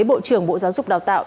bộ trưởng bộ giáo dục đào tạo